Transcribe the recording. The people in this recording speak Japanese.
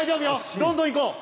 どんどんいこう。